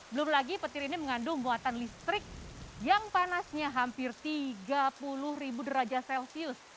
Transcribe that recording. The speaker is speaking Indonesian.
belum lagi petir ini mengandung muatan listrik yang panasnya hampir tiga puluh ribu derajat celcius